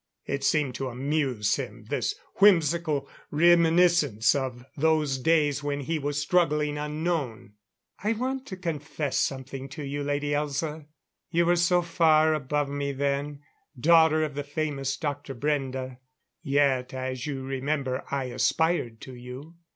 It seemed to amuse him, this whimsical reminiscence of those days when he was struggling unknown. "I want to confess something to you, Lady Elza. You were so far above me then daughter of the famous Dr. Brende. Yet, as you remember, I aspired to you.